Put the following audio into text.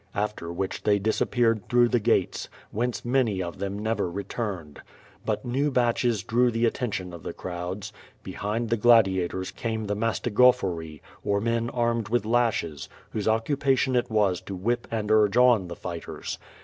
After which they disapjieared through the gates, whence many of them never returned. But new batches drew the attention c' the crowds. Behind the gladia tors came the "mastigophon, ' or men armed with lashes, whose occupation it was to whip and urge on the fighters.